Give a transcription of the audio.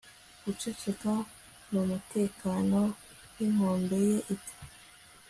Guceceka numutekano ninkombe ye ipfa